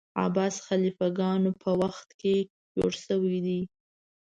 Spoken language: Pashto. عباسي خلیفه ګانو په وخت کي جوړ سوی دی.